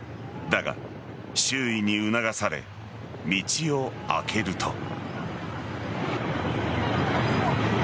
だが、周囲に促され道を開けると。